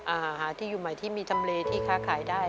หาหาที่อยู่ใหม่ที่มีจำเลที่ค้าขายได้